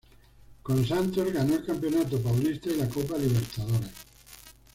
Con Santos ganó el Campeonato Paulista y la Copa Libertadores.